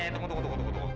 tunggu tunggu tunggu